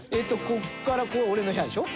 ここからここが俺の部屋でしょ。